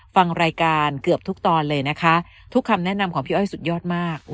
ฟังรายการเกือบทุกตอนเลยนะคะทุกคำแนะนำของพี่อ้อยสุดยอดมาก